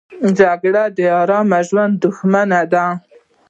جګړه د آرام ژوند دښمنه ده